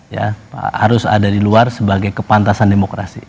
ya harus ada di luar sebagai kepantasan demokrasi